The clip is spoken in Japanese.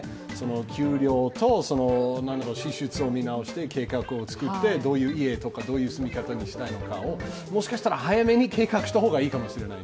給料と支出を見直して計画を作ってどういう家、どういう住み方をしたらいいかをもしかしたら早めに計画した方がいいかもしれない。